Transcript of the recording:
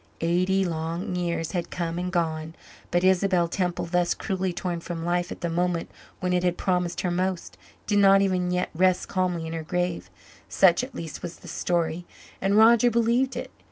Eighty long years had come and gone, but Isabel Temple, thus cruelly torn from life at the moment when it had promised her most, did not even yet rest calmly in her grave; such at least was the story, and Roger believed it.